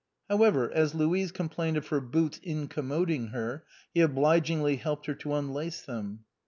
However, as Louise complained of her boots incommod ing her, he obligingly helped her to unlace them.